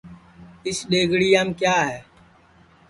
اِس دؔیگڑِیام کِیا ہے